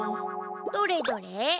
どれどれ。